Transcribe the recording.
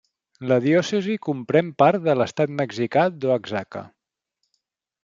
La diòcesi comprèn part de l'estat mexicà d'Oaxaca.